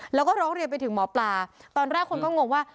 แล้วก็ร้องเรียนไปถึงหมอปลาตอนแรกคนก็งงว่า